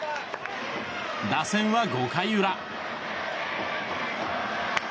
打線は５回裏。